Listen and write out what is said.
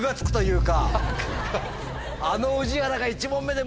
あの。